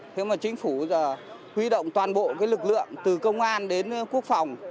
thế mà chính phủ huy động toàn bộ lực lượng từ công an đến quốc phòng